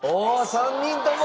３人とも！